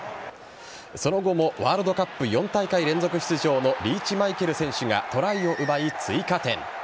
その後も、ワールドカップ４大会連続出場のリーチ・マイケル選手がトライを奪い、追加点。